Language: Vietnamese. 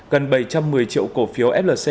gần bảy trăm một mươi triệu cổ phiếu flc